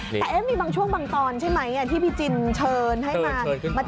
แต่มีบางช่วงบางตอนใช่ไหมที่พี่จินเชิญให้มา